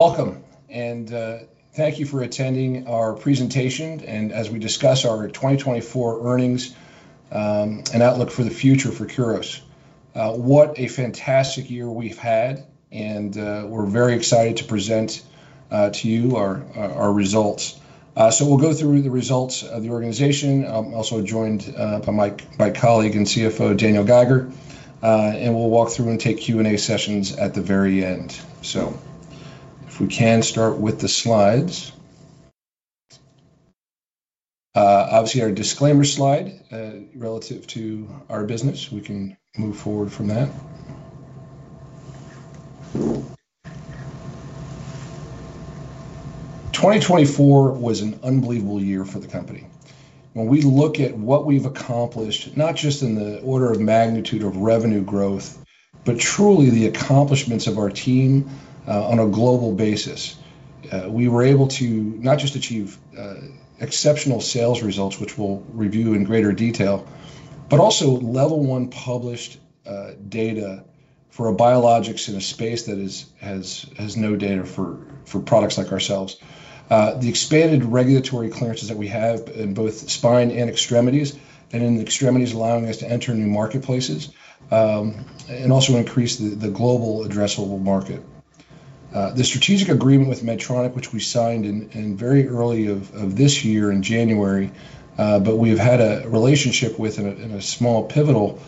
Welcome, and thank you for attending our presentation. As we discuss our 2024 earnings and outlook for the future for Kuros, what a fantastic year we've had. We are very excited to present to you our results. We will go through the results of the organization. I am also joined by my colleague and CFO, Daniel Geiger. We will walk through and take Q&A sessions at the very end. If we can start with the slides. Obviously, our disclaimer slide relative to our business. We can move forward from that. 2024 was an unbelievable year for the company. When we look at what we've accomplished, not just in the order of magnitude of revenue growth, but truly the accomplishments of our team on a global basis. We were able to not just achieve exceptional sales results, which we'll review in greater detail, but also Level I published data for a biologic in a space that has no data for products like ourselves. The expanded regulatory clearances that we have in both spine and extremities, and in the extremities allowing us to enter new marketplaces, and also increase the global addressable market. The strategic agreement with Medtronic, which we signed very early this year in January, but we have had a relationship with in a small pivotal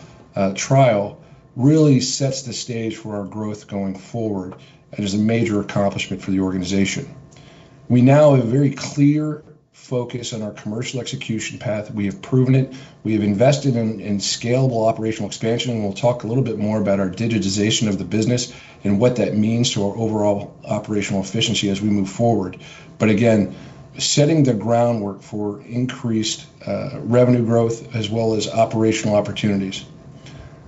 trial, really sets the stage for our growth going forward and is a major accomplishment for the organization. We now have a very clear focus on our commercial execution path. We have proven it. We have invested in scalable operational expansion. We will talk a little bit more about our digitization of the business and what that means to our overall operational efficiency as we move forward. Again, setting the groundwork for increased revenue growth as well as operational opportunities.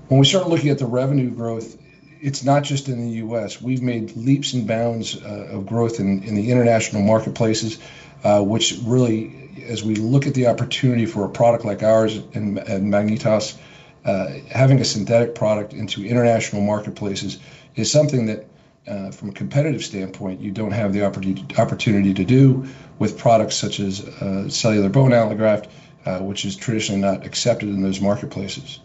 When we start looking at the revenue growth, it's not just in the U.S. We have made leaps and bounds of growth in the international marketplaces, which really, as we look at the opportunity for a product like ours and MagnetOs having a synthetic product into international marketplaces, is something that, from a competitive standpoint, you do not have the opportunity to do with products such as cellular allograft, which is traditionally not accepted in those marketplaces.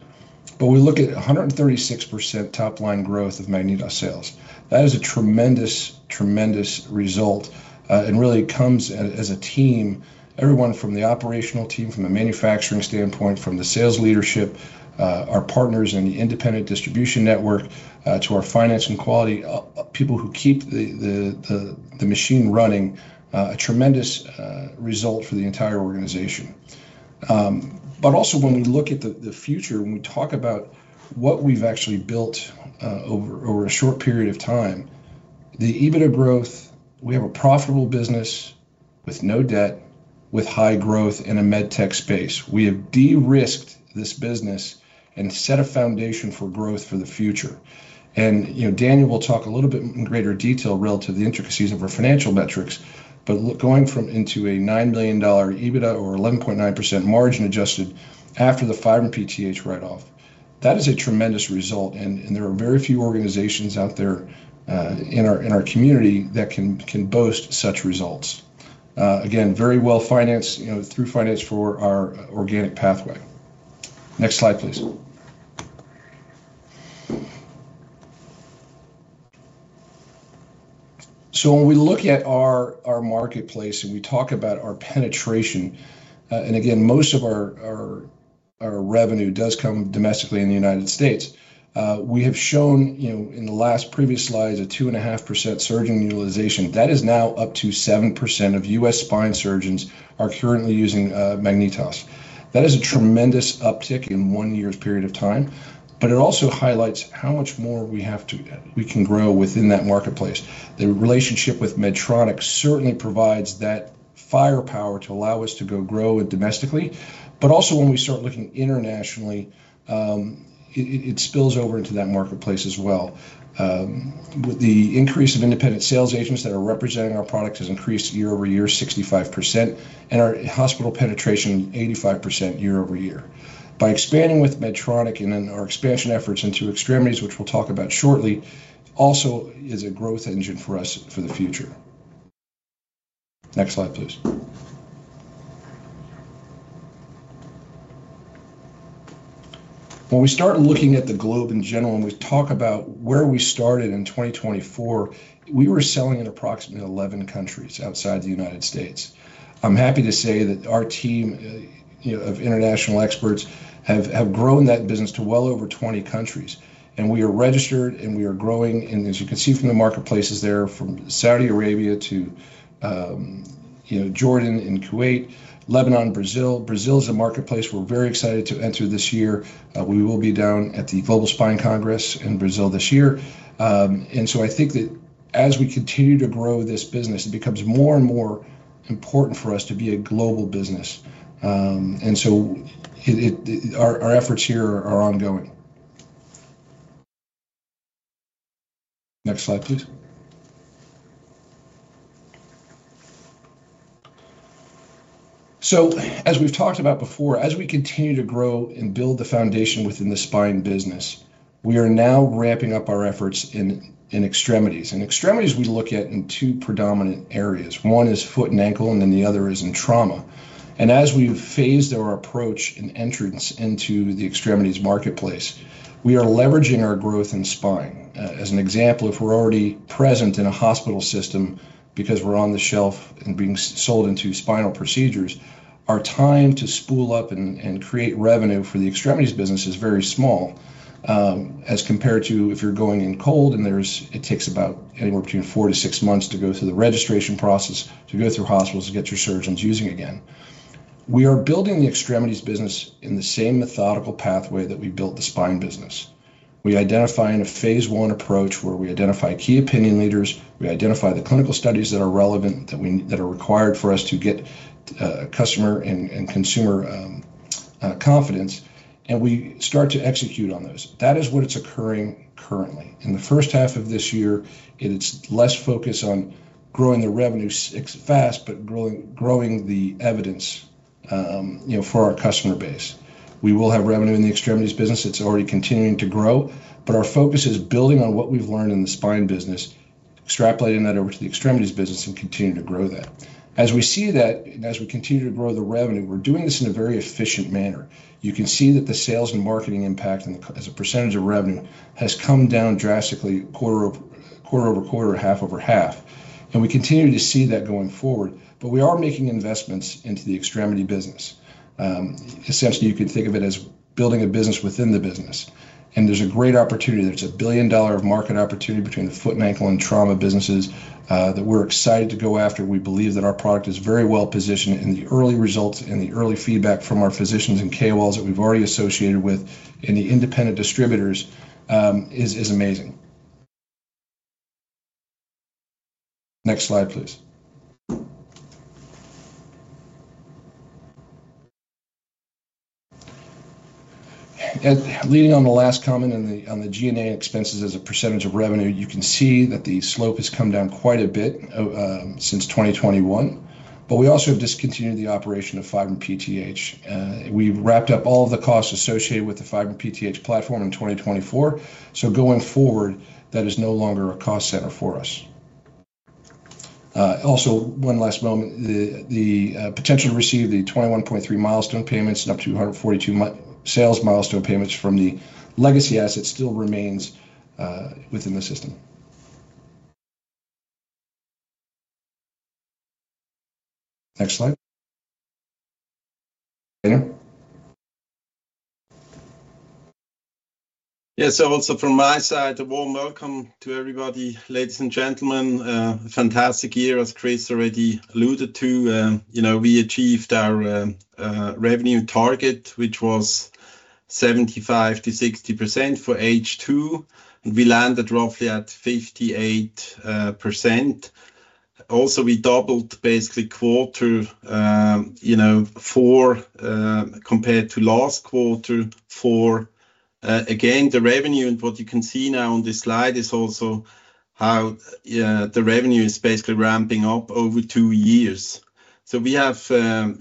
We look at 136% top-line growth of MagnetOs sales. That is a tremendous, tremendous result. It really comes as a team, everyone from the operational team, from the manufacturing standpoint, from the sales leadership, our partners in the independent distribution network, to our finance and quality, people who keep the machine running, a tremendous result for the entire organization. Also, when we look at the future, when we talk about what we've actually built over a short period of time, the EBITDA growth, we have a profitable business with no debt, with high growth in a med tech space. We have de-risked this business and set a foundation for growth for the future. Daniel will talk a little bit in greater detail relative to the intricacies of our financial metrics. Going into a $9 million EBITDA or 11.9% margin adjusted after the Fibrin-PTH write-off, that is a tremendous result. There are very few organizations out there in our community that can boast such results. Again, very well financed through finance for our organic pathway. Next slide, please. When we look at our marketplace and we talk about our penetration, and again, most of our revenue does come domestically in the United States, we have shown in the last previous slides a 2.5% surge in utilization. That is now up to 7% of U.S. spine surgeons are currently using MagnetOs. That is a tremendous uptick in one year's period of time. It also highlights how much more we can grow within that marketplace. The relationship with Medtronic certainly provides that firepower to allow us to grow domestically. Also, when we start looking internationally, it spills over into that marketplace as well. The increase of independent sales agents that are representing our products has increased year-over-year 65%, and our hospital penetration 85% year-over-year. By expanding with Medtronic and then our expansion efforts into extremities, which we'll talk about shortly, also is a growth engine for us for the future. Next slide, please. When we start looking at the globe in general, when we talk about where we started in 2024, we were selling in approximately 11 countries outside the United States. I'm happy to say that our team of international experts have grown that business to well over 20 countries. We are registered and we are growing. As you can see from the marketplaces there, from Saudi Arabia to Jordan and Kuwait, Lebanon, Brazil. Brazil is a marketplace we're very excited to enter this year. We will be down at the Global Spine Congress in Brazil this year. I think that as we continue to grow this business, it becomes more and more important for us to be a global business. Our efforts here are ongoing. Next slide, please. As we've talked about before, as we continue to grow and build the foundation within the spine business, we are now ramping up our efforts in extremities. In extremities we look at two predominant areas. One is foot and ankle, and the other is in trauma. As we phase our approach and entrance into the extremities marketplace, we are leveraging our growth in spine. As an example, if we're already present in a hospital system because we're on the shelf and being sold into spinal procedures, our time to spool up and create revenue for the extremities business is very small as compared to if you're going in cold and it takes about anywhere between four to six months to go through the registration process, to go through hospitals, to get your surgeons using again. We are building the extremities business in the same methodical pathway that we built the spine business. We identify in a Phase I approach where we identify key opinion leaders, we identify the clinical studies that are relevant, that are required for us to get customer and consumer confidence, and we start to execute on those. That is what it's occurring currently. In the first half of this year, it's less focus on growing the revenue fast, but growing the evidence for our customer base. We will have revenue in the extremities business. It's already continuing to grow. Our focus is building on what we've learned in the spine business, extrapolating that over to the extremities business, and continuing to grow that. As we see that, and as we continue to grow the revenue, we're doing this in a very efficient manner. You can see that the sales and marketing impact as a percentage of revenue has come down drastically quarter-over-quarter or half-over-half. We continue to see that going forward. We are making investments into the extremity business. Essentially, you can think of it as building a business within the business. There's a great opportunity. There's a billion dollar market opportunity between the foot and ankle and trauma businesses that we're excited to go after. We believe that our product is very well positioned. The early results and the early feedback from our physicians and KOLs that we've already associated with and the independent distributors is amazing. Next slide, please. Leading on the last comment on the G&A expenses as a percentage of revenue, you can see that the slope has come down quite a bit since 2021. We also have discontinued the operation of Fibrin-PTH. We wrapped up all of the costs associated with the Fibrin-PTH platform in 2024. Going forward, that is no longer a cost center for us. Also, one last moment. The potential to receive the $21.3 milestone payments and up to $242 sales milestone payments from the legacy asset still remains within the system. Next slide. Daniel. Yeah. From my side, a warm welcome to everybody, ladies and gentlemen. A fantastic year, as Chris already alluded to. We achieved our revenue target, which was 75–60% for H2. We landed roughly at 58%. Also, we doubled basically quarter four compared to last quarter four. Again, the revenue and what you can see now on this slide is also how the revenue is basically ramping up over two years. We have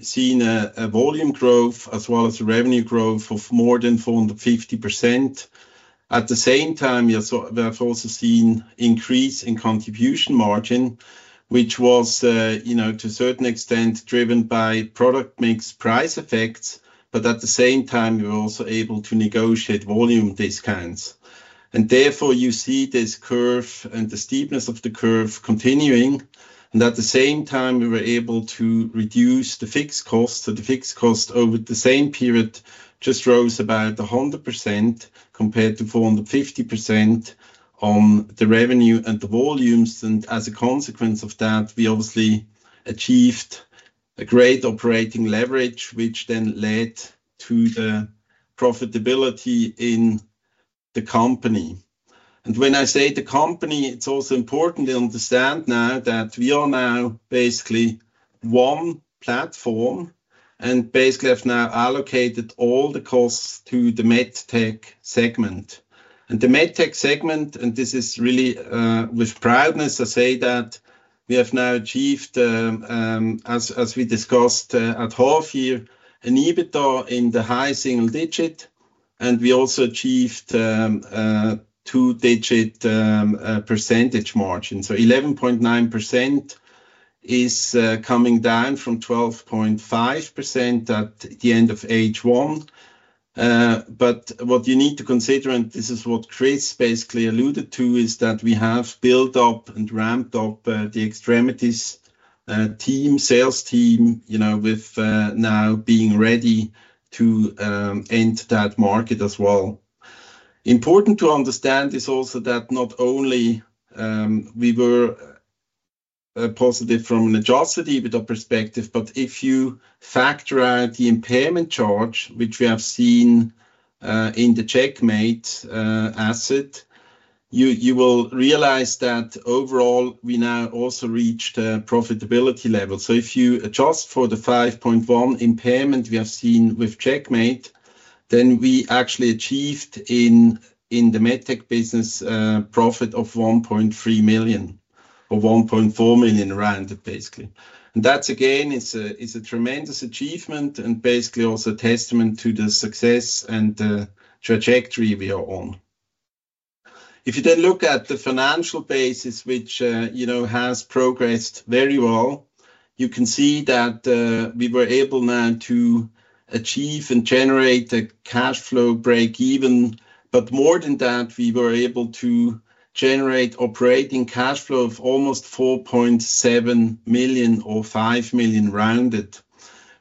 seen a volume growth as well as a revenue growth of more than 450%. At the same time, we have also seen an increase in contribution margin, which was to a certain extent driven by product mix price effects. At the same time, we were also able to negotiate volume discounts. Therefore, you see this curve and the steepness of the curve continuing. At the same time, we were able to reduce the fixed cost. The fixed cost over the same period just rose about 100% compared to 450% on the revenue and the volumes. As a consequence of that, we obviously achieved a great operating leverage, which then led to the profitability in the company. When I say the company, it's also important to understand now that we are now basically one platform and basically have now allocated all the costs to the MedTech segment. The MedTech segment, and this is really with proudness, I say that we have now achieved, as we discussed at half year, an EBITDA in the high single digit. We also achieved a two-digit percentage margin. 11.9% is coming down from 12.5% at the end of H1. What you need to consider, and this is what Chris basically alluded to, is that we have built up and ramped up the extremities team, sales team, with now being ready to enter that market as well. Important to understand is also that not only were we positive from an adjusted EBITDA perspective, but if you factor out the impairment charge, which we have seen in the Checkmate asset, you will realize that overall, we now also reached a profitability level. If you adjust for the $5.1 million impairment we have seen with Checkmate, then we actually achieved in the MedTech business profit of $1.3 million or $1.4 million rounded, basically. That, again, is a tremendous achievement and basically also a testament to the success and the trajectory we are on. If you then look at the financial basis, which has progressed very well, you can see that we were able now to achieve and generate a cash flow break-even. More than that, we were able to generate operating cash flow of almost $4.7 million or $5 million rounded,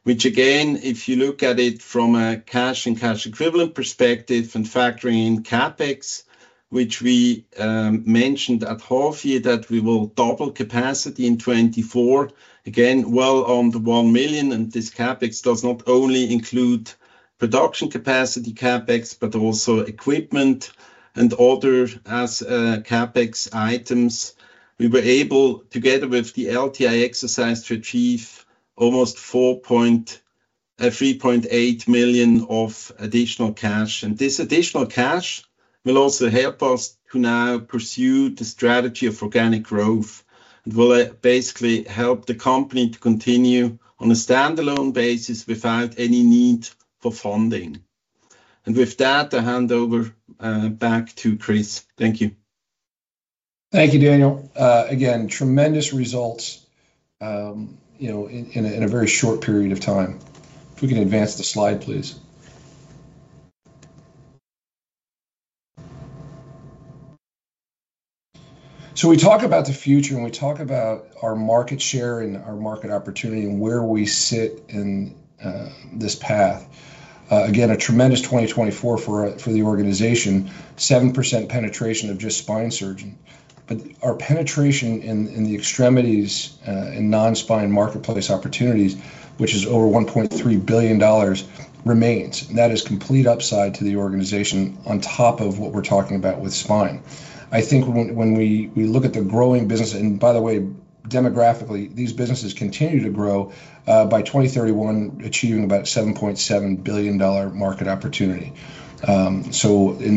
which, again, if you look at it from a cash and cash equivalents perspective and factoring in CapEx, which we mentioned at half year that we will double capacity in 2024, again, well under $1 million. This CapEx does not only include production capacity CapEx, but also equipment and other CapEx items. We were able, together with the LTI exercise, to achieve almost $3.8 million of additional cash. This additional cash will also help us to now pursue the strategy of organic growth. It will basically help the company to continue on a standalone basis without any need for funding. With that, I hand over back to Chris. Thank you. Thank you, Daniel. Again, tremendous results in a very short period of time. If we can advance the slide, please. We talk about the future and we talk about our market share and our market opportunity and where we sit in this path. Again, a tremendous 2024 for the organization, 7% penetration of just spine surgeon. Our penetration in the extremities and non-spine marketplace opportunities, which is over $1.3 billion, remains. That is complete upside to the organization on top of what we're talking about with spine. I think when we look at the growing business, and by the way, demographically, these businesses continue to grow by 2031, achieving about $7.7 billion market opportunity. In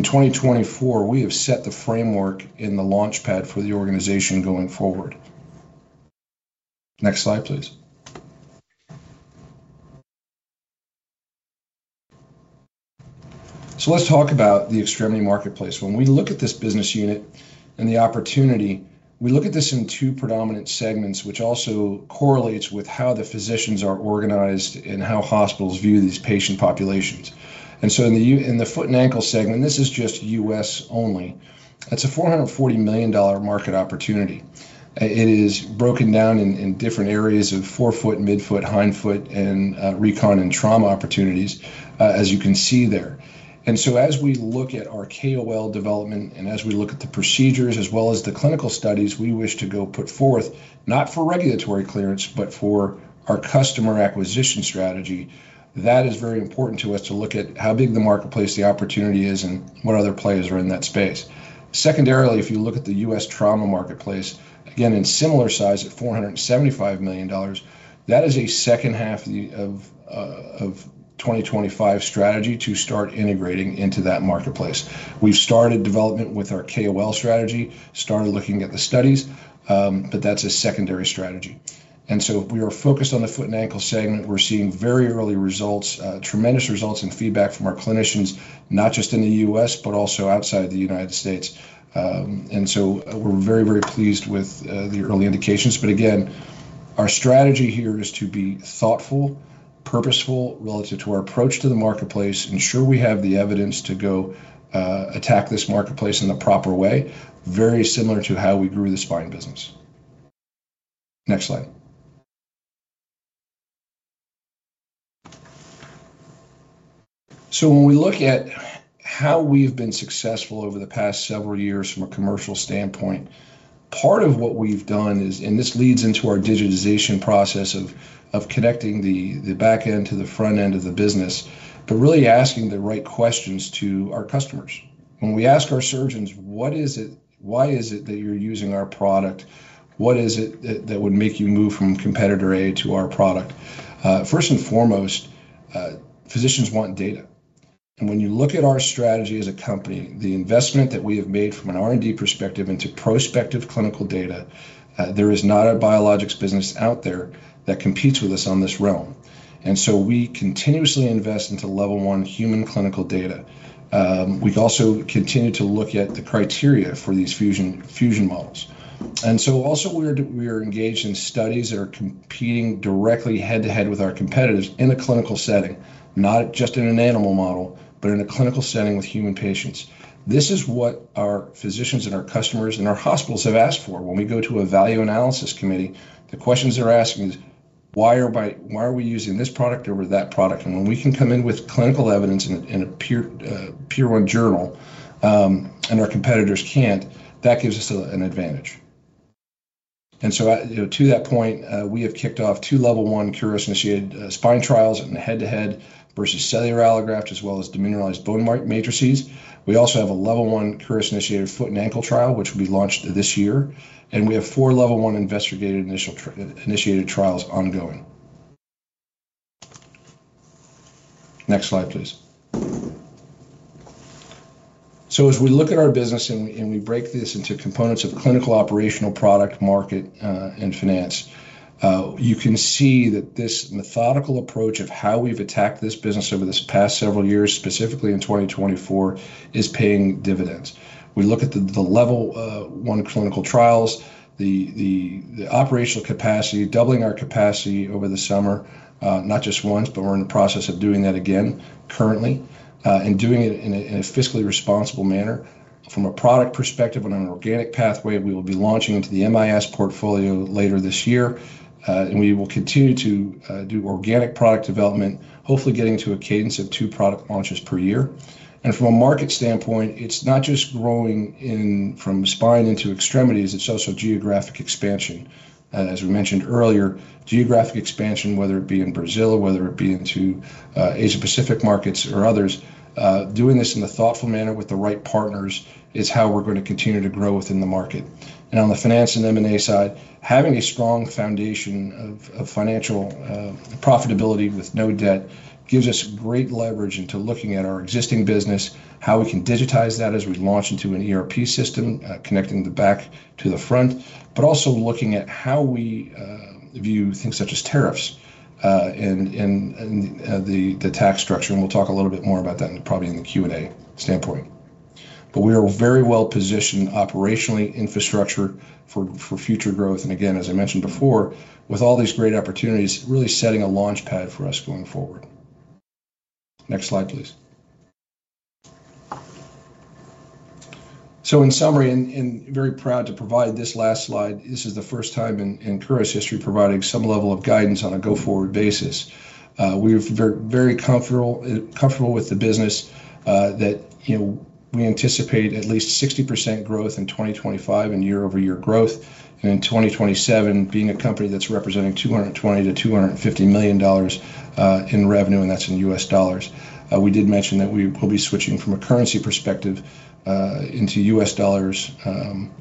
2024, we have set the framework in the launchpad for the organization going forward. Next slide, please. Let's talk about the extremity marketplace. When we look at this business unit and the opportunity, we look at this in two predominant segments, which also correlates with how the physicians are organized and how hospitals view these patient populations. In the foot and ankle segment, this is just U.S. only. It is a $440 million market opportunity. It is broken down in different areas of forefoot, midfoot, hindfoot, and recon and trauma opportunities, as you can see there. As we look at our KOL development and as we look at the procedures as well as the clinical studies we wish to go put forth, not for regulatory clearance, but for our customer acquisition strategy, that is very important to us to look at how big the marketplace, the opportunity is, and what other players are in that space. Secondarily, if you look at the U.S. trauma marketplace, again, in similar size at $475 million, that is a second half of 2025 strategy to start integrating into that marketplace. We have started development with our KOL strategy, started looking at the studies, but that is a secondary strategy. We are focused on the foot and ankle segment. We are seeing very early results, tremendous results and feedback from our clinicians, not just in the U.S., but also outside the United States. We are very, very pleased with the early indications. Our strategy here is to be thoughtful, purposeful relative to our approach to the marketplace, ensure we have the evidence to go attack this marketplace in the proper way, very similar to how we grew the spine business. Next slide. When we look at how we've been successful over the past several years from a commercial standpoint, part of what we've done is, and this leads into our digitization process of connecting the back end to the front end of the business, really asking the right questions to our customers. When we ask our surgeons, "What is it? Why is it that you're using our product? What is it that would make you move from competitor A to our product?" First and foremost, physicians want data. When you look at our strategy as a company, the investment that we have made from an R&D perspective into prospective clinical data, there is not a biologics business out there that competes with us on this realm. We continuously invest into Level I human clinical data. We also continue to look at the criteria for these fusion models. We are engaged in studies that are competing directly head-to-head with our competitors in a clinical setting, not just in an animal model, but in a clinical setting with human patients. This is what our physicians and our customers and our hospitals have asked for. When we go to a value analysis committee, the questions they're asking is, "Why are we using this product over that product?" When we can come in with clinical evidence in a Tier I journal and our competitors can't, that gives us an advantage. To that point, we have kicked off two Level I Kuros-initiated spine trials and head-to-head versus cellular allograft as well as demineralized bone matrices. We also have a Level I Kuros-initiated foot and ankle trial, which will be launched this year. We have four Level I investigator-initiated trials ongoing. Next slide, please. As we look at our business and we break this into components of clinical, operational, product, market, and finance, you can see that this methodical approach of how we've attacked this business over this past several years, specifically in 2024, is paying dividends. We look at the Level I clinical trials, the operational capacity, doubling our capacity over the summer, not just once, but we're in the process of doing that again currently and doing it in a fiscally responsible manner. From a product perspective on an organic pathway, we will be launching into the MIS portfolio later this year. We will continue to do organic product development, hopefully getting to a cadence of two product launches per year. From a market standpoint, it's not just growing from spine into extremities. It's also geographic expansion. As we mentioned earlier, geographic expansion, whether it be in Brazil, whether it be into Asia-Pacific markets or others, doing this in a thoughtful manner with the right partners is how we're going to continue to grow within the market. On the finance and M&A side, having a strong foundation of financial profitability with no debt gives us great leverage into looking at our existing business, how we can digitize that as we launch into an ERP system connecting the back to the front, but also looking at how we view things such as tariffs and the tax structure. We will talk a little bit more about that probably in the Q&A standpoint. We are very well positioned operationally, infrastructure for future growth. Again, as I mentioned before, with all these great opportunities, really setting a launchpad for us going forward. Next slide, please. In summary, and very proud to provide this last slide, this is the first time in Kuros Biosciences history providing some level of guidance on a go-forward basis. We're very comfortable with the business that we anticipate at least 60% growth in 2025 and year-over-year growth. In 2027, being a company that's representing $220 million–$250 million in revenue, and that's in U.S. dollars. We did mention that we will be switching from a currency perspective into U.S. dollars on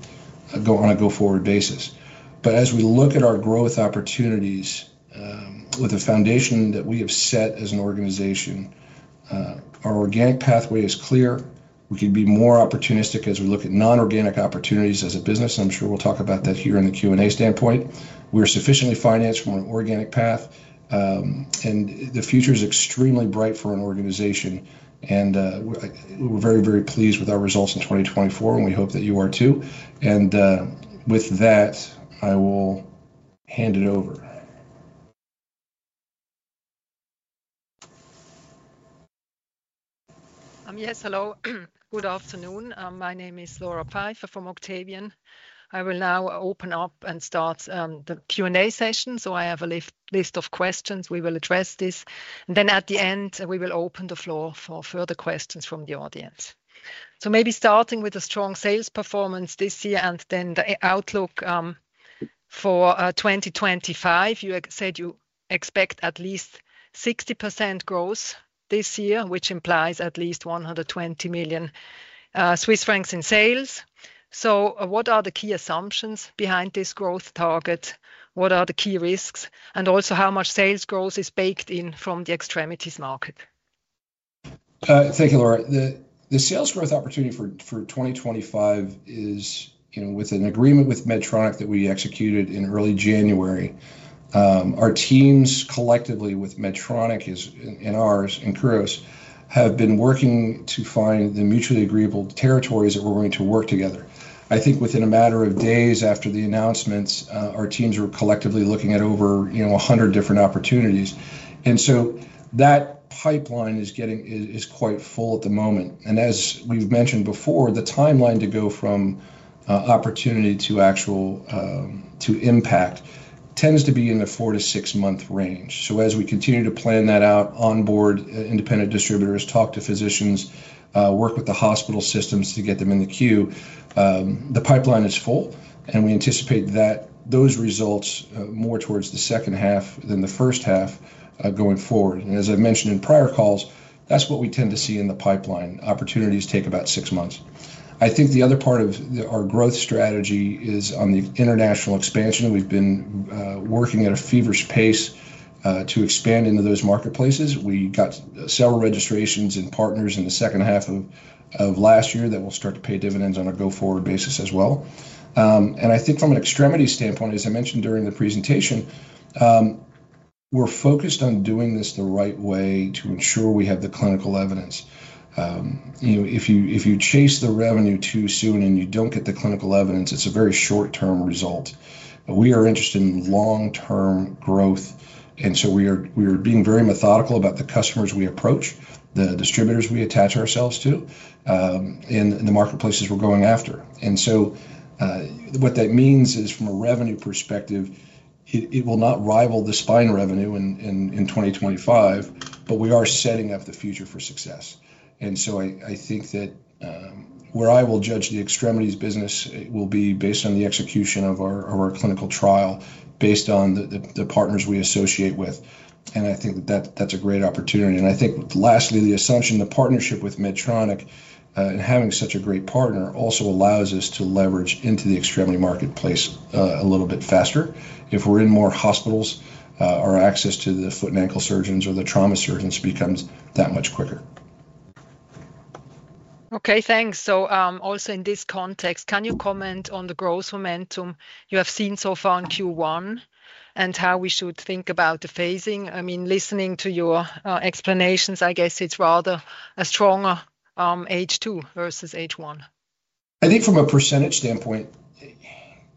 a go-forward basis. As we look at our growth opportunities with the foundation that we have set as an organization, our organic pathway is clear. We could be more opportunistic as we look at non-organic opportunities as a business. I'm sure we'll talk about that here in the Q&A standpoint. We're sufficiently financed from an organic path. The future is extremely bright for an organization. We are very, very pleased with our results in 2024, and we hope that you are too. With that, I will hand it over. Yes, hello. Good afternoon. My name is Laura Pfeiffer from Octavian. I will now open up and start the Q&A session. I have a list of questions. We will address this. At the end, we will open the floor for further questions from the audience. Maybe starting with a strong sales performance this year and then the outlook for 2025. You said you expect at least 60% growth this year, which implies at least 120 million Swiss francs in sales. What are the key assumptions behind this growth target? What are the key risks? Also, how much sales growth is baked in from the extremities market? Thank you, Laura. The sales growth opportunity for 2025 is with an agreement with Medtronic that we executed in early January. Our teams collectively with Medtronic and ours in Kuros have been working to find the mutually agreeable territories that we're going to work together. I think within a matter of days after the announcements, our teams were collectively looking at over 100 different opportunities. That pipeline is quite full at the moment. As we've mentioned before, the timeline to go from opportunity to impact tends to be in the four- to six-month range. As we continue to plan that out, onboard independent distributors, talk to physicians, work with the hospital systems to get them in the queue, the pipeline is full. We anticipate those results more towards the second half than the first half going forward. As I've mentioned in prior calls, that's what we tend to see in the pipeline. Opportunities take about six months. I think the other part of our growth strategy is on the international expansion. We've been working at a feverish pace to expand into those marketplaces. We got several registrations and partners in the second half of last year that will start to pay dividends on a go-forward basis as well. I think from an extremity standpoint, as I mentioned during the presentation, we're focused on doing this the right way to ensure we have the clinical evidence. If you chase the revenue too soon and you don't get the clinical evidence, it's a very short-term result. We are interested in long-term growth. We are being very methodical about the customers we approach, the distributors we attach ourselves to, and the marketplaces we're going after. What that means is from a revenue perspective, it will not rival the spine revenue in 2025, but we are setting up the future for success. I think that where I will judge the extremities business will be based on the execution of our clinical trial based on the partners we associate with. I think that that's a great opportunity. I think lastly, the assumption, the partnership with Medtronic and having such a great partner also allows us to leverage into the extremity marketplace a little bit faster. If we're in more hospitals, our access to the foot and ankle surgeons or the trauma surgeons becomes that much quicker. Okay, thanks. Also in this context, can you comment on the growth momentum you have seen so far in Q1 and how we should think about the phasing? I mean, listening to your explanations, I guess it's rather a stronger H2 versus H1. I think from a percentage standpoint,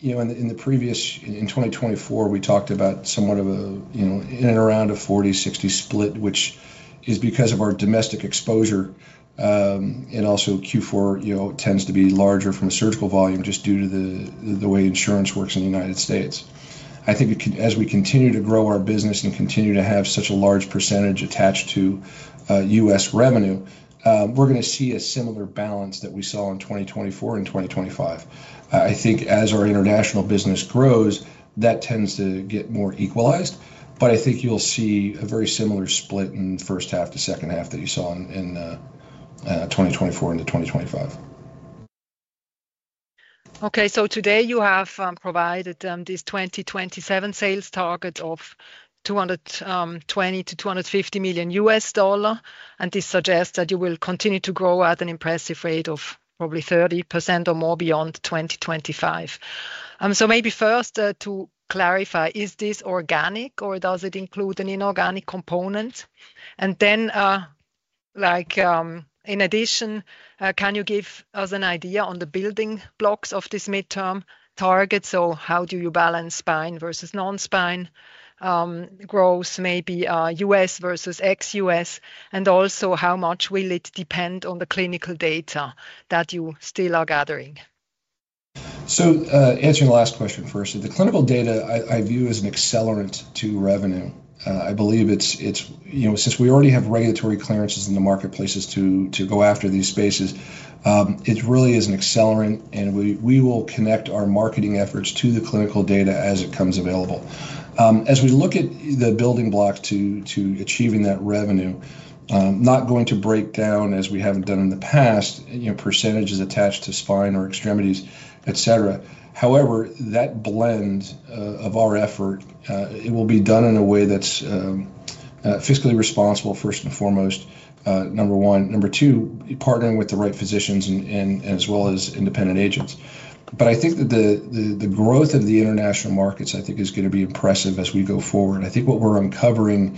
in the previous in 2024, we talked about somewhat of an in and around a 40–60 split, which is because of our domestic exposure. Q4 tends to be larger from a surgical volume just due to the way insurance works in the United States. I think as we continue to grow our business and continue to have such a large percentage attached to U.S. revenue, we're going to see a similar balance that we saw in 2024 and 2025. I think as our international business grows, that tends to get more equalized. I think you'll see a very similar split in the first half to second half that you saw in 2024 into 2025. Okay, today you have provided this 2027 sales target of $220 million–$250 million. This suggests that you will continue to grow at an impressive rate of probably 30% or more beyond 2025. Maybe first to clarify, is this organic or does it include an inorganic component? In addition, can you give us an idea on the building blocks of this midterm target? How do you balance spine versus non-spine growth, maybe US versus ex-US? Also, how much will it depend on the clinical data that you still are gathering? Answering the last question first, the clinical data I view as an accelerant to revenue. I believe since we already have regulatory clearances in the marketplaces to go after these spaces, it really is an accelerant. We will connect our marketing efforts to the clinical data as it comes available. As we look at the building blocks to achieving that revenue, not going to break down as we haven't done in the past, percentages attached to spine or extremities, etc. However, that blend of our effort, it will be done in a way that's fiscally responsible first and foremost, number one. Number two, partnering with the right physicians as well as independent agents. I think that the growth of the international markets, I think, is going to be impressive as we go forward. I think what we're uncovering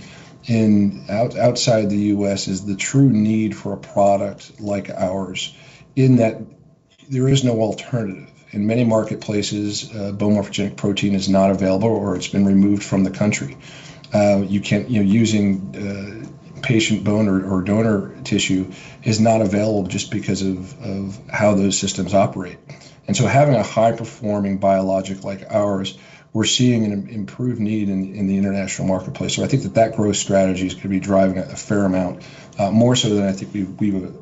outside the U.S. is the true need for a product like ours in that there is no alternative. In many marketplaces, bone morphogenetic protein is not available or it's been removed from the country. Using patient bone or donor tissue is not available just because of how those systems operate. Having a high-performing biologic like ours, we're seeing an improved need in the international marketplace. I think that growth strategy is going to be driving a fair amount, more so than I think we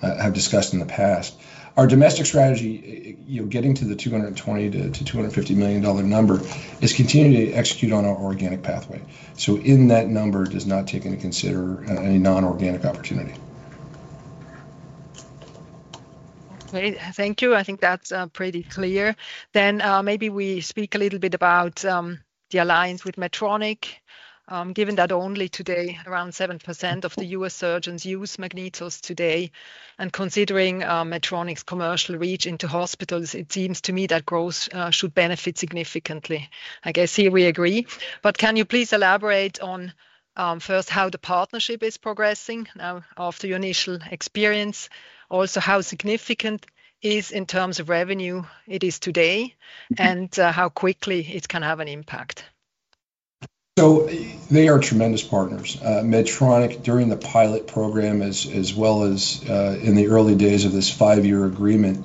have discussed in the past. Our domestic strategy, getting to the $220 million–$250 million number, is continuing to execute on our organic pathway. In that number, it does not take into consideration any non-organic opportunity. Thank you. I think that's pretty clear. Maybe we speak a little bit about the alliance with Medtronic. Given that only today, around 7% of the U.S. surgeons use MagnetOs today, and considering Medtronic's commercial reach into hospitals, it seems to me that growth should benefit significantly. I guess here we agree. Can you please elaborate on first how the partnership is progressing now after your initial experience? Also, how significant is it in terms of revenue today and how quickly it can have an impact? They are tremendous partners. Medtronic, during the pilot program, as well as in the early days of this five-year agreement,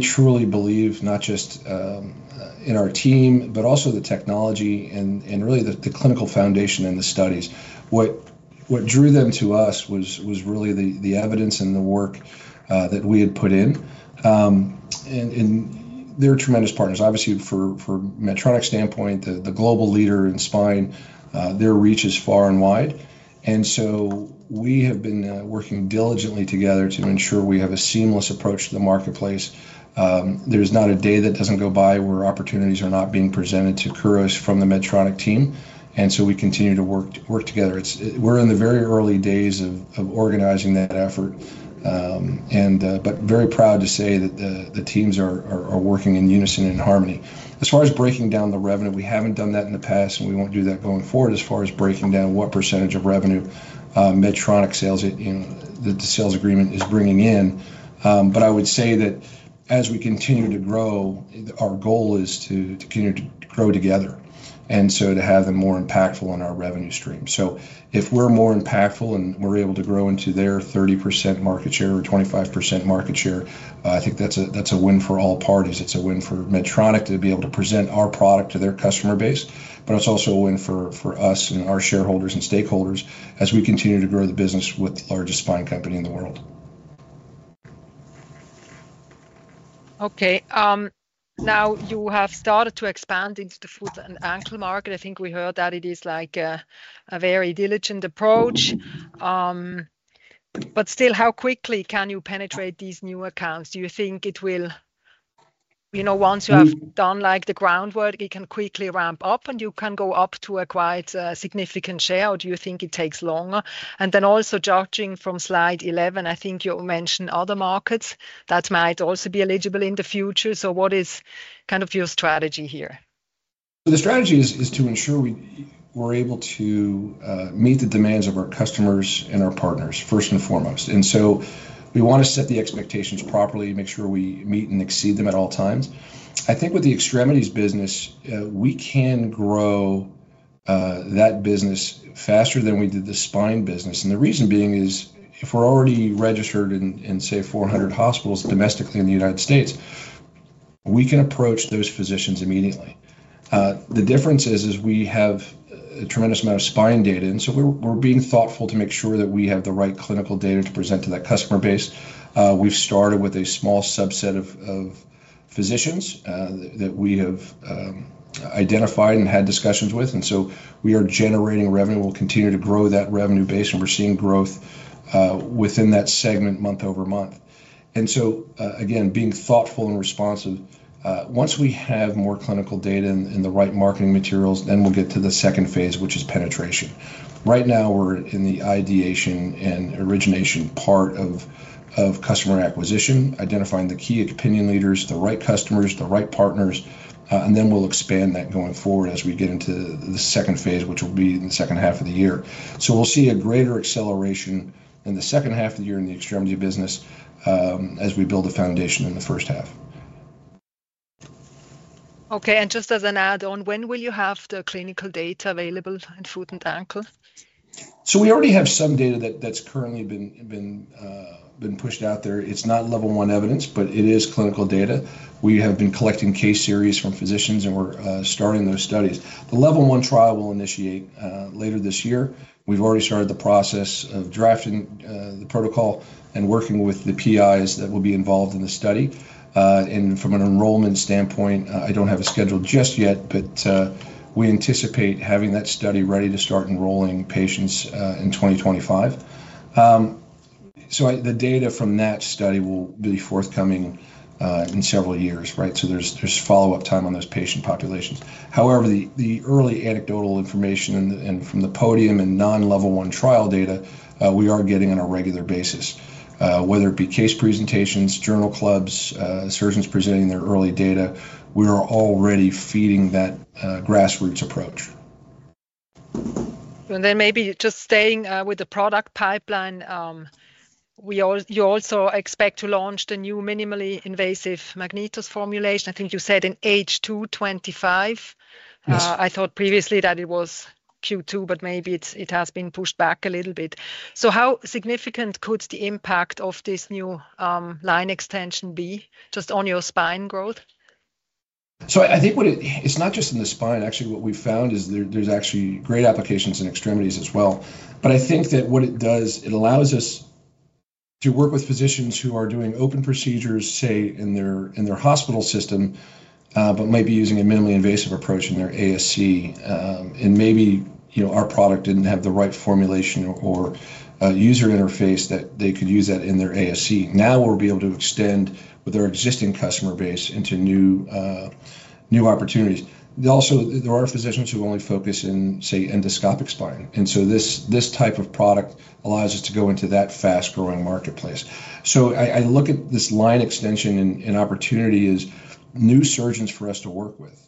truly believe not just in our team, but also the technology and really the clinical foundation and the studies. What drew them to us was really the evidence and the work that we had put in. They are tremendous partners. Obviously, from a Medtronic standpoint, the global leader in spine, their reach is far and wide. We have been working diligently together to ensure we have a seamless approach to the marketplace. There is not a day that goes by where opportunities are not being presented to Kuros from the Medtronic team. We continue to work together. We are in the very early days of organizing that effort, but very proud to say that the teams are working in unison and harmony. As far as breaking down the revenue, we haven't done that in the past, and we won't do that going forward as far as breaking down what percentage of revenue Medtronic sales, the sales agreement is bringing in. I would say that as we continue to grow, our goal is to continue to grow together and to have them more impactful in our revenue stream. If we're more impactful and we're able to grow into their 30% market share or 25% market share, I think that's a win for all parties. It's a win for Medtronic to be able to present our product to their customer base, but it's also a win for us and our shareholders and stakeholders as we continue to grow the business with the largest spine company in the world. Okay. Now you have started to expand into the foot and ankle market. I think we heard that it is like a very diligent approach. Still, how quickly can you penetrate these new accounts? Do you think it will, once you have done the groundwork, it can quickly ramp up and you can go up to a quite significant share, or do you think it takes longer? Also, judging from Slide 11, I think you mentioned other markets that might also be eligible in the future. What is kind of your strategy here? The strategy is to ensure we're able to meet the demands of our customers and our partners first and foremost. We want to set the expectations properly, make sure we meet and exceed them at all times. I think with the extremities business, we can grow that business faster than we did the spine business. The reason being is if we're already registered in, say, 400 hospitals domestically in the United States, we can approach those physicians immediately. The difference is we have a tremendous amount of spine data. We are being thoughtful to make sure that we have the right clinical data to present to that customer base. We've started with a small subset of physicians that we have identified and had discussions with. We are generating revenue. We'll continue to grow that revenue base, and we're seeing growth within that segment month over month. Again, being thoughtful and responsive, once we have more clinical data and the right marketing materials, then we'll get to the second phase, which is penetration. Right now, we're in the ideation and origination part of customer acquisition, identifying the key opinion leaders, the right customers, the right partners, and then we'll expand that going forward as we get into the second phase, which will be in the second half of the year. We'll see a greater acceleration in the second half of the year in the extremity business as we build a foundation in the first half. Okay. Just as an add-on, when will you have the clinical data available in foot and ankle? We already have some data that's currently been pushed out there. It's not Level I evidence, but it is clinical data. We have been collecting case series from physicians, and we're starting those studies. The Level I trial will initiate later this year. We've already started the process of drafting the protocol and working with the PIs that will be involved in the study. From an enrollment standpoint, I don't have a schedule just yet, but we anticipate having that study ready to start enrolling patients in 2025. The data from that study will be forthcoming in several years, right? There's follow-up time on those patient populations. However, the early anecdotal information from the podium and non-Level I trial data we are getting on a regular basis, whether it be case presentations, journal clubs, surgeons presenting their early data, we are already feeding that grassroots approach. Maybe just staying with the product pipeline, you also expect to launch the new Minimally Invasive MagnetOs formulation. I think you said in H2 2025. I thought previously that it was Q2, but maybe it has been pushed back a little bit. How significant could the impact of this new line extension be just on your spine growth? I think it's not just in the spine. Actually, what we've found is there's actually great applications in extremities as well. I think that what it does, it allows us to work with physicians who are doing open procedures, say, in their hospital system, but maybe using a minimally invasive approach in their ASC. Maybe our product didn't have the right formulation or user interface that they could use that in their ASC. Now we'll be able to extend with our existing customer base into new opportunities. Also, there are physicians who only focus in, say, endoscopic spine. This type of product allows us to go into that fast-growing marketplace. I look at this line extension and opportunity as new surgeons for us to work with.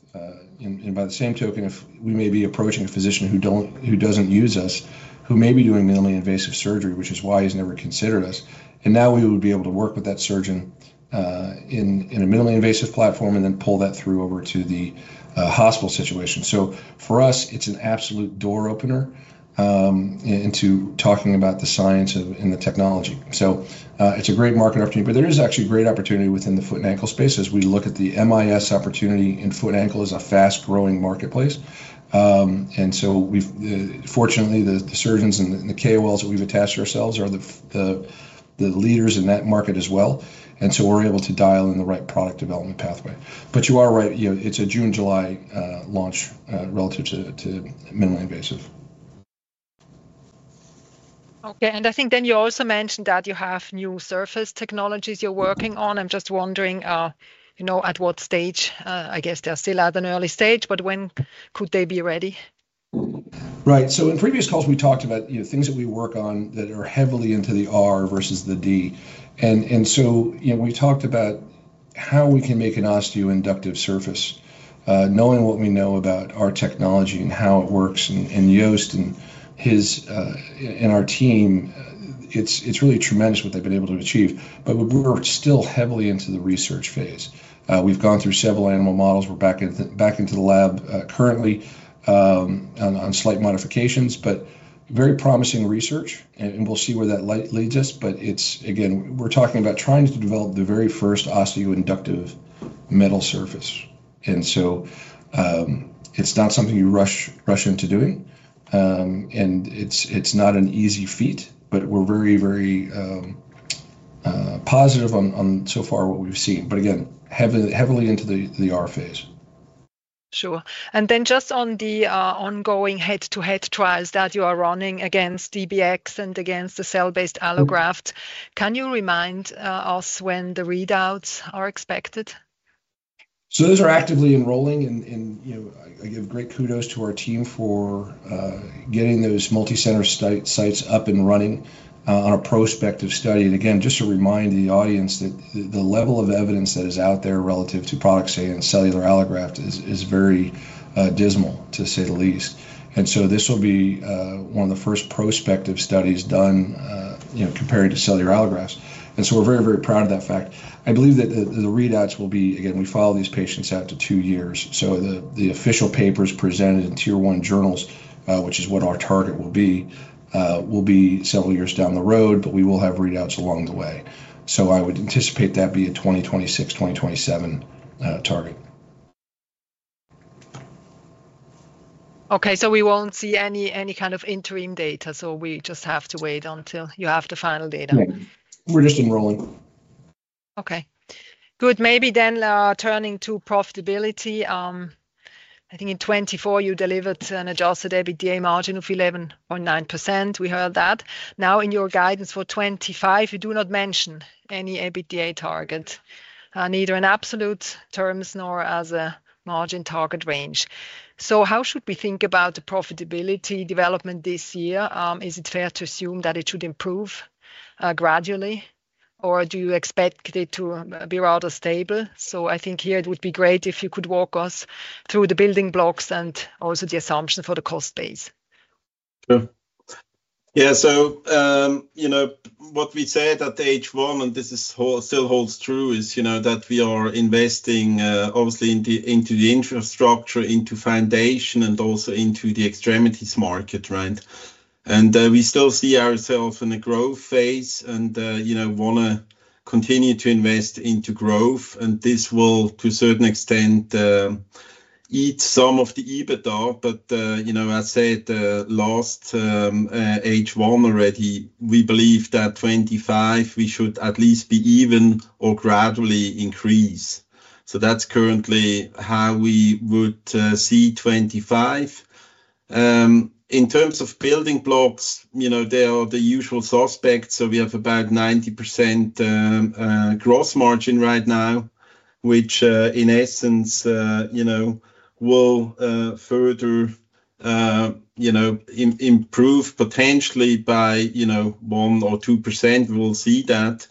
By the same token, if we may be approaching a physician who does not use us, who may be doing minimally invasive surgery, which is why he has never considered us, now we would be able to work with that surgeon in a minimally invasive platform and then pull that through over to the hospital situation. For us, it is an absolute door opener into talking about the science and the technology. It is a great market opportunity, but there is actually a great opportunity within the foot and ankle space as we look at the MIS opportunity in foot and ankle as a fast-growing marketplace. Fortunately, the surgeons and the KOLs that we have attached to ourselves are the leaders in that market as well. We are able to dial in the right product development pathway. You are right, it's a June-July launch relative to minimally invasive. Okay. I think you also mentioned that you have new surface technologies you're working on. I'm just wondering at what stage, I guess they're still at an early stage, but when could they be ready? Right. In previous calls, we talked about things that we work on that are heavily into the R versus the D. We talked about how we can make an osteoinductive surface. Knowing what we know about our technology and how it works and Joost and our team, it's really tremendous what they've been able to achieve. We're still heavily into the research phase. We've gone through several animal models. We're back into the lab currently on slight modifications, but very promising research. We'll see where that leads us. We're talking about trying to develop the very first osteoinductive metal surface. It's not something you rush into doing. It's not an easy feat, but we're very, very positive on so far what we've seen. Again, heavily into the R phase. Sure. Just on the ongoing head-to-head trials that you are running against DBX and against the cell-based allograft, can you remind us when the readouts are expected? Those are actively enrolling. I give great kudos to our team for getting those multi-center sites up and running on a prospective study. Again, just to remind the audience that the level of evidence that is out there relative to products, say, in cellular allograft is very dismal, to say the least. This will be one of the first prospective studies done compared to cellular allografts. We are very, very proud of that fact. I believe that the readouts will be, again, we follow these patients out to two years. The official papers presented in Tier I journals, which is what our target will be, will be several years down the road, but we will have readouts along the way. I would anticipate that be a 2026-2027 target. Okay. We won't see any kind of interim data. We just have to wait until you have the final data. We're just enrolling. Okay. Good. Maybe then turning to profitability. I think in 2024, you delivered an adjusted EBITDA margin of 11.9%. We heard that. Now in your guidance for 2025, you do not mention any EBITDA target, neither in absolute terms nor as a margin target range. How should we think about the profitability development this year? Is it fair to assume that it should improve gradually, or do you expect it to be rather stable? I think here it would be great if you could walk us through the building blocks and also the assumption for the cost base. Sure. Yeah. What we said at the H1, and this still holds true, is that we are investing obviously into the infrastructure, into foundation, and also into the extremities market, right? We still see ourselves in a growth phase and want to continue to invest into growth. This will, to a certain extent, eat some of the EBITDA. As I said, last H1 already, we believe that 2025, we should at least be even or gradually increase. That is currently how we would see 2025. In terms of building blocks, they are the usual suspects. We have about 90% gross margin right now, which in essence will further improve potentially by 1% or 2%. We will see that.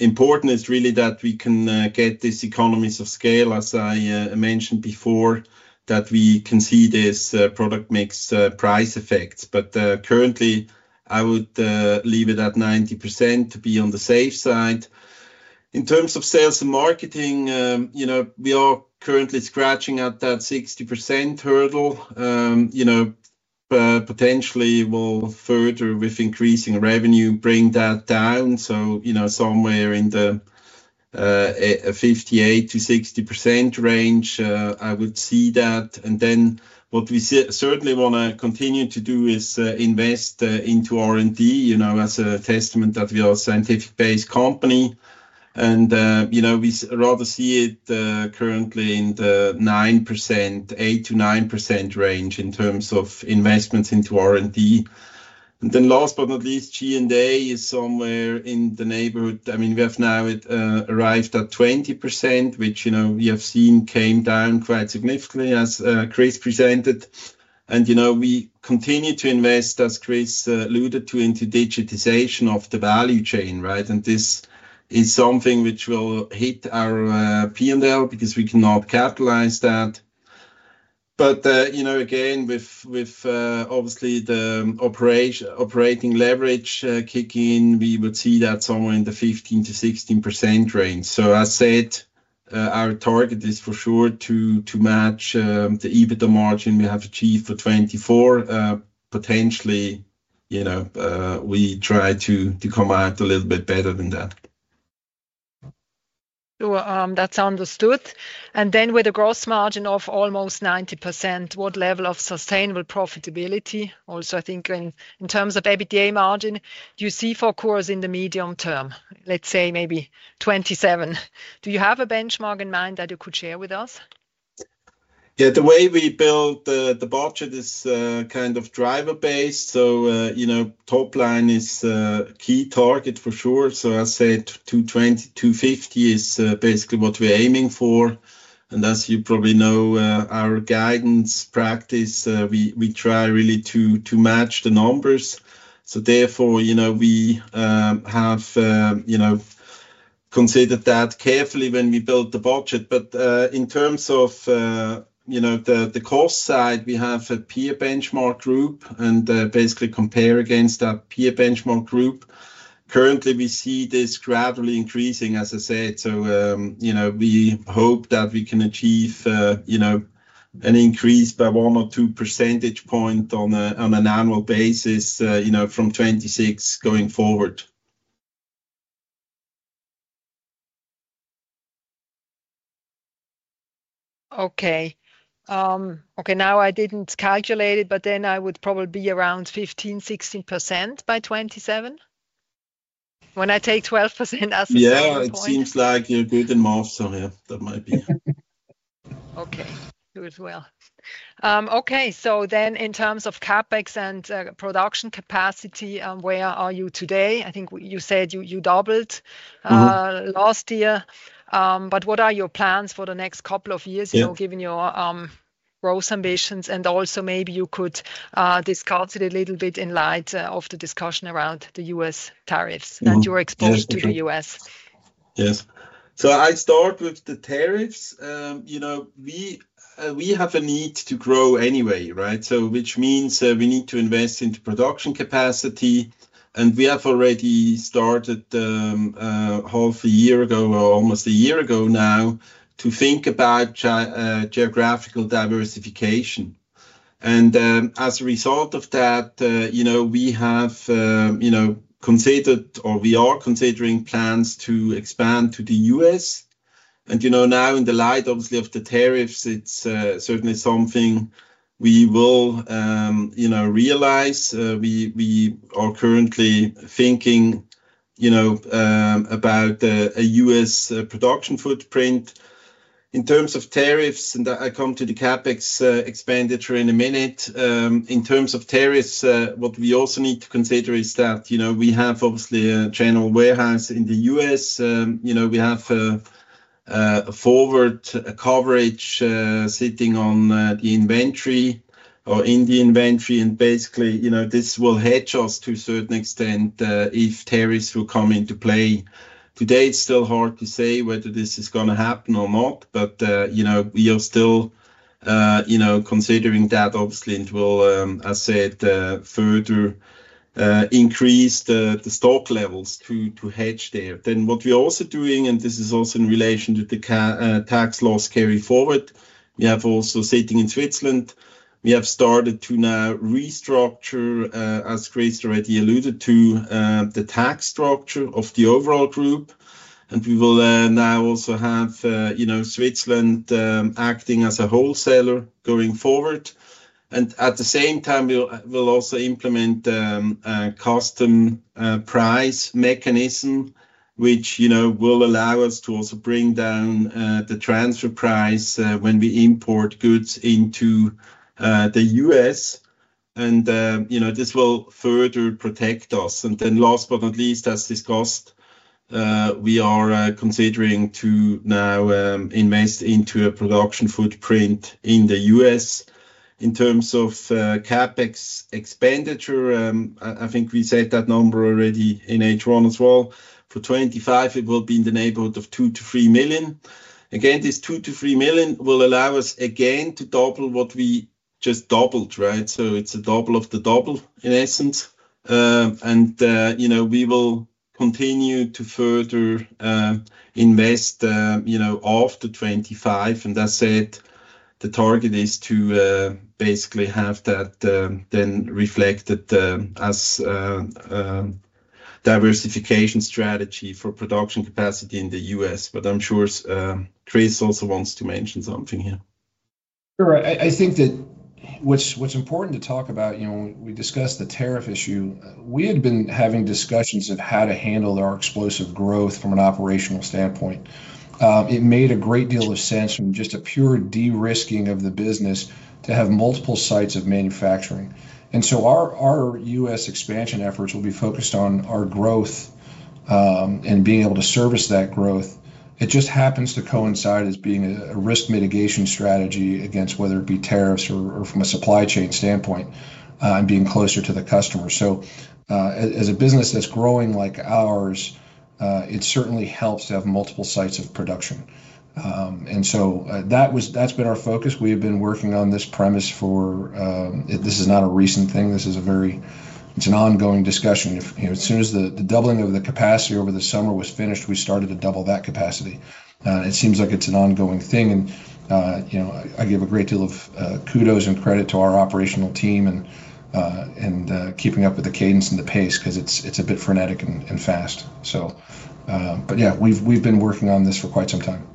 Important is really that we can get this economies of scale, as I mentioned before, that we can see this product-mixed price effects. Currently, I would leave it at 90% to be on the safe side. In terms of sales and marketing, we are currently scratching at that 60% hurdle. Potentially, with increasing revenue, we will further bring that down. Somewhere in the 58%–60% range, I would see that. What we certainly want to continue to do is invest into R&D as a testament that we are a scientific-based company. We rather see it currently in the 8%–9% range in terms of investments into R&D. Last but not least, G&A is somewhere in the neighborhood. I mean, we have now arrived at 20%, which we have seen came down quite significantly, as Chris presented. We continue to invest, as Chris alluded to, into digitization of the value chain, right? This is something which will hit our P&L because we cannot capitalize that. Again, with obviously the operating leverage kicking in, we would see that somewhere in the 15-16% range. As I said, our target is for sure to match the EBITDA margin we have achieved for 2024. Potentially, we try to come out a little bit better than that. Sure. That's understood. With a gross margin of almost 90%, what level of sustainable profitability, also, I think in terms of EBITDA margin, do you see for Kuros in the medium term, let's say maybe 2027? Do you have a benchmark in mind that you could share with us? Yeah. The way we build the budget is kind of driver-based. Top line is a key target for sure. As I said, 250 is basically what we're aiming for. As you probably know, our guidance practice, we try really to match the numbers. Therefore, we have considered that carefully when we built the budget. In terms of the cost side, we have a peer benchmark group and basically compare against that peer benchmark group. Currently, we see this gradually increasing, as I said. We hope that we can achieve an increase by one or two percentage points on an annual basis from 2026 going forward. Okay. Okay. Now I didn't calculate it, but then I would probably be around 15%–16% by 2027. When I take 12% as a surplus. Yeah. It seems like you're good and master here. That might be. Okay. Good. Okay. In terms of CapEx and production capacity, where are you today? I think you said you doubled last year. What are your plans for the next couple of years, given your growth ambitions? Also, maybe you could discuss it a little bit in light of the discussion around the U.S. tariffs and your exposure to the U.S. Yes. I start with the tariffs. We have a need to grow anyway, right? Which means we need to invest into production capacity. We have already started half a year ago or almost a year ago now to think about geographical diversification. As a result of that, we have considered or we are considering plans to expand to the U.S. Now in the light, obviously, of the tariffs, it is certainly something we will realize. We are currently thinking about a U.S. production footprint. In terms of tariffs, and I come to the CapEx expenditure in a minute. In terms of tariffs, what we also need to consider is that we have obviously a general warehouse in the U.S. We have a forward coverage sitting on the inventory or in the inventory. Basically, this will hedge us to a certain extent if tariffs will come into play. Today, it's still hard to say whether this is going to happen or not, but we are still considering that obviously it will, as I said, further increase the stock levels to hedge there. What we're also doing, and this is also in relation to the tax loss carry forward, we have also sitting in Switzerland, we have started to now restructure, as Chris already alluded to, the tax structure of the overall group. We will now also have Switzerland acting as a wholesaler going forward. At the same time, we'll also implement a customs price mechanism, which will allow us to also bring down the transfer price when we import goods into the U.S. This will further protect us. Last but not least, as discussed, we are considering to now invest into a production footprint in the U.S. In terms of CapEx expenditure, I think we said that number already in H1 as well. For 2025, it will be in the neighborhood of $2 million–$3 million. Again, this $2 million–$3 million will allow us again to double what we just doubled, right? It is a double of the double in essence. We will continue to further invest after 2025. As I said, the target is to basically have that then reflected as a diversification strategy for production capacity in the U.S. I am sure Chris also wants to mention something here. Sure. I think that what is important to talk about, we discussed the tariff issue. We had been having discussions of how to handle our explosive growth from an operational standpoint. It made a great deal of sense from just a pure de-risking of the business to have multiple sites of manufacturing. Our U.S. expansion efforts will be focused on our growth and being able to service that growth. It just happens to coincide as being a risk mitigation strategy against whether it be tariffs or from a supply chain standpoint and being closer to the customer. As a business that's growing like ours, it certainly helps to have multiple sites of production. That's been our focus. We have been working on this premise for this is not a recent thing. This is a very it's an ongoing discussion. As soon as the doubling of the capacity over the summer was finished, we started to double that capacity. It seems like it's an ongoing thing. I give a great deal of kudos and credit to our operational team and keeping up with the cadence and the pace because it's a bit frenetic and fast. Yeah, we've been working on this for quite some time.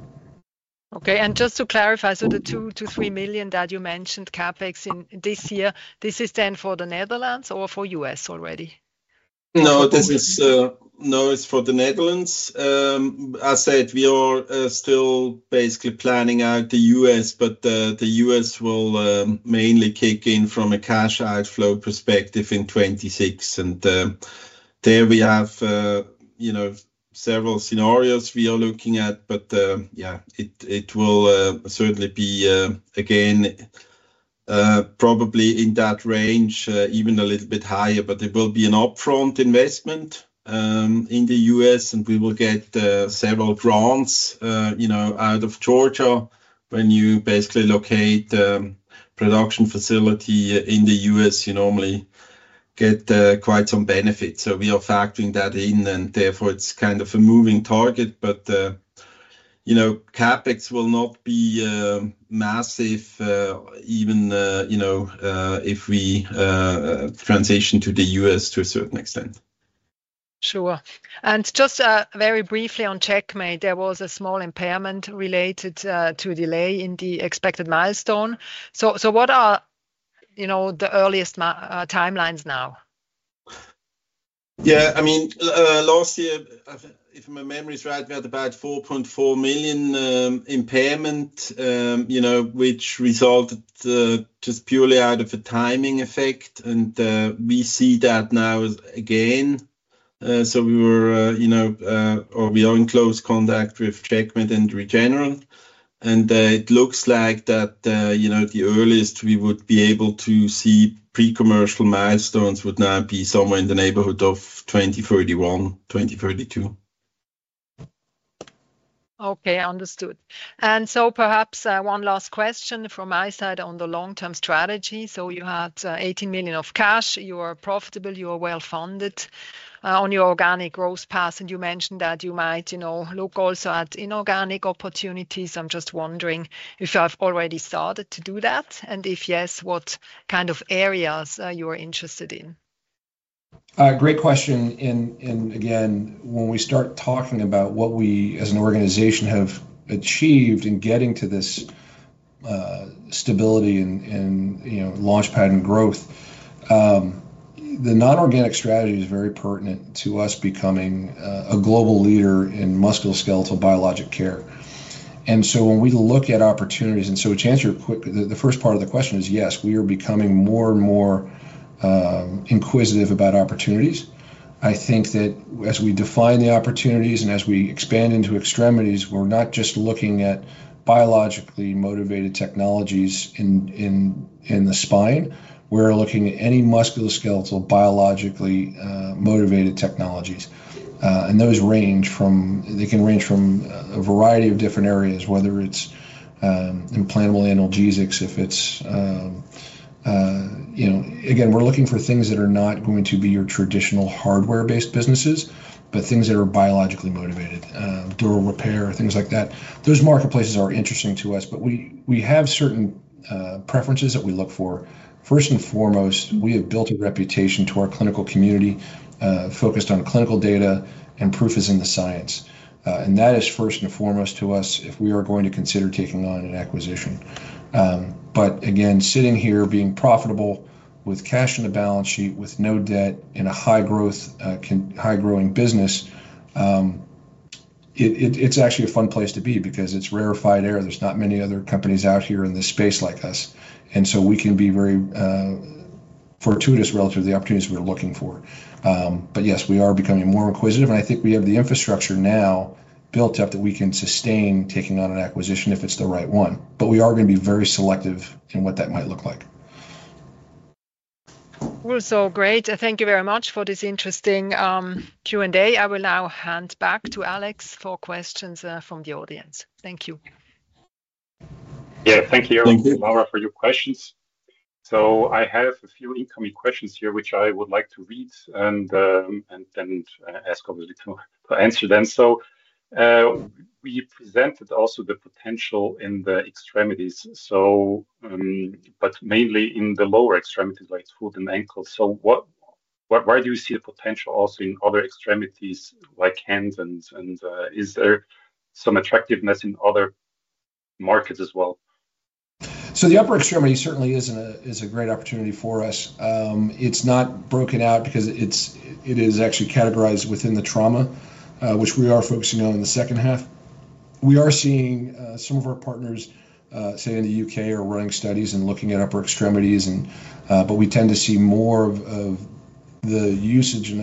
Okay. Just to clarify, the $2 million–$3 million that you mentioned CapEx this year, is this then for the Netherlands or for U.S. already? No, this is for the Netherlands. As I said, we are still basically planning out the U.S., but the U.S. will mainly kick in from a cash outflow perspective in 2026. There we have several scenarios we are looking at. Yeah, it will certainly be, again, probably in that range, even a little bit higher, but it will be an upfront investment in the U.S. We will get several grants out of Georgia. When you basically locate a production facility in the U.S., you normally get quite some benefits. We are factoring that in, and therefore it's kind of a moving target. CapEx will not be massive even if we transition to the U.S. to a certain extent. Sure. Just very briefly on Checkmate, there was a small impairment related to a delay in the expected milestone. What are the earliest timelines now? Yeah. I mean, last year, if my memory is right, we had about $4.4 million impairment, which resulted just purely out of a timing effect. We see that now again. We were or we are in close contact with CheckMate and Regeneron. It looks like that the earliest we would be able to see pre-commercial milestones would now be somewhere in the neighborhood of 2031, 2032. Okay. Understood. Perhaps one last question from my side on the long-term strategy. You had $18 million of cash. You are profitable. You are well funded on your organic growth path. You mentioned that you might look also at inorganic opportunities. I'm just wondering if you have already started to do that. If yes, what kind of areas are you interested in? Great question. Again, when we start talking about what we as an organization have achieved in getting to this stability and launchpad and growth, the non-organic strategy is very pertinent to us becoming a global leader in musculoskeletal biologic care. When we look at opportunities, to answer the first part of the question, yes, we are becoming more and more acquisitive about opportunities. I think that as we define the opportunities and as we expand into extremities, we're not just looking at biologically motivated technologies in the spine. We're looking at any musculoskeletal biologically motivated technologies. Those can range from a variety of different areas, whether it's implantable analgesics. Again, we're looking for things that are not going to be your traditional hardware-based businesses, but things that are biologically motivated, dural repair, things like that. Those marketplaces are interesting to us, but we have certain preferences that we look for. First and foremost, we have built a reputation to our clinical community focused on clinical data and proof is in the science. That is first and foremost to us if we are going to consider taking on an acquisition. Again, sitting here, being profitable with cash in the balance sheet, with no debt, in a high-growing business, it's actually a fun place to be because it's rarefied air. There are not many other companies out here in this space like us. We can be very fortuitous relative to the opportunities we're looking for. Yes, we are becoming more inquisitive. I think we have the infrastructure now built up that we can sustain taking on an acquisition if it's the right one. We are going to be very selective in what that might look like. Great. Thank you very much for this interesting Q&A. I will now hand back to Alex for questions from the audience. Thank you. Yeah. Thank you, Eric. Thank you. Laura, for your questions. I have a few incoming questions here, which I would like to read and then ask, obviously, to answer them. We presented also the potential in the extremities, but mainly in the lower extremities like foot and ankle. Where do you see the potential also in other extremities like hands? Is there some attractiveness in other markets as well? The upper extremity certainly is a great opportunity for us. It's not broken out because it is actually categorized within the trauma, which we are focusing on in the second half. We are seeing some of our partners, say in the U.K., are running studies and looking at upper extremities. We tend to see more of the usage in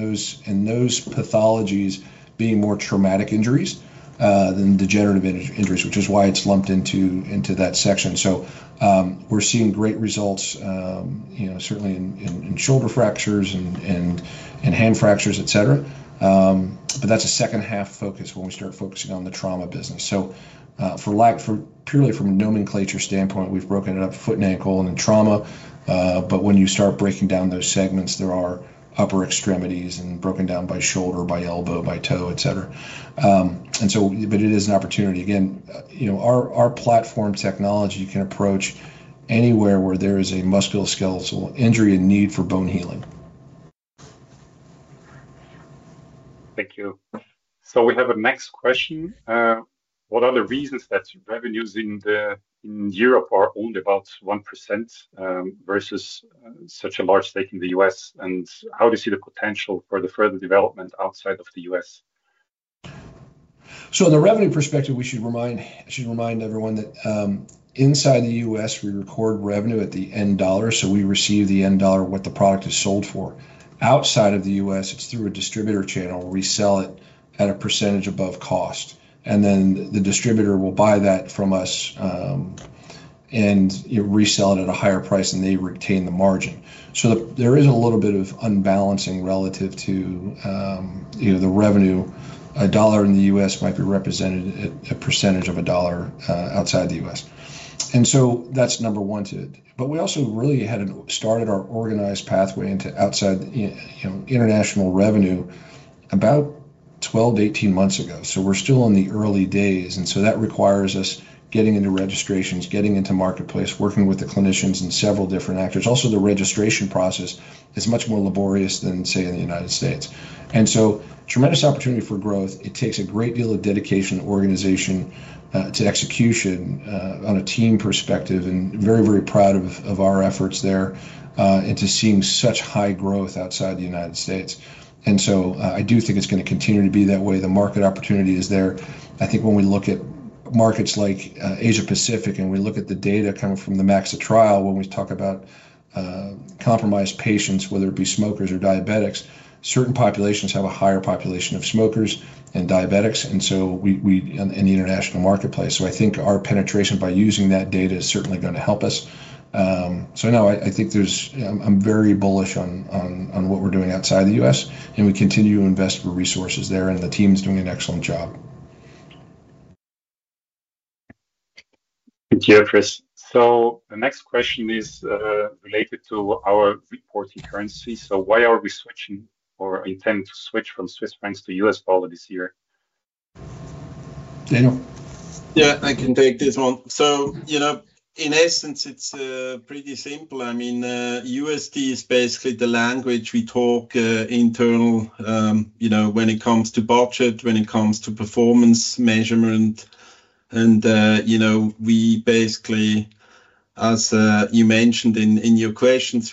those pathologies being more traumatic injuries than degenerative injuries, which is why it's lumped into that section. We're seeing great results, certainly in shoulder fractures and hand fractures, etc. That's a second-half focus when we start focusing on the trauma business. Purely from a nomenclature standpoint, we've broken it up foot and ankle and in trauma. When you start breaking down those segments, there are upper extremities and broken down by shoulder, by elbow, by toe, etc. It is an opportunity. Again, our platform technology can approach anywhere where there is a musculoskeletal injury and need for bone healing. Thank you. We have a next question. What are the reasons that revenues in Europe are only about 1% versus such a large stake in the U.S.? How do you see the potential for the further development outside of the U.S.? On the revenue perspective, we should remind everyone that inside the U.S., we record revenue at the end dollar. We receive the end dollar what the product is sold for. Outside of the U.S., it's through a distributor channel. We sell it at a percentage above cost. The distributor will buy that from us and resell it at a higher price, and they retain the margin. There is a little bit of unbalancing relative to the revenue. A dollar in the U.S. might be represented at a percentage of a dollar outside the U.S. That's number one to it. We also really had started our organized pathway into outside international revenue about 12-18 months ago. We're still in the early days. That requires us getting into registrations, getting into marketplace, working with the clinicians and several different actors. Also, the registration process is much more laborious than, say, in the United States. Tremendous opportunity for growth. It takes a great deal of dedication and organization to execution on a team perspective and very, very proud of our efforts there into seeing such high growth outside the United States. I do think it's going to continue to be that way. The market opportunity is there. I think when we look at markets like Asia-Pacific and we look at the data coming from the MAXA Trial, when we talk about compromised patients, whether it be smokers or diabetics, certain populations have a higher population of smokers and diabetics in the international marketplace. I think our penetration by using that data is certainly going to help us. No, I think I'm very bullish on what we're doing outside the US. We continue to invest for resources there. The team is doing an excellent job. Thank you, Chris. The next question is related to our reporting currency. Why are we switching or intend to switch from Swiss francs to U.S. dollar this year? Daniel. Yeah, I can take this one. In essence, it's pretty simple. I mean, USD is basically the language we talk internal when it comes to budget, when it comes to performance measurement. We basically, as you mentioned in your questions,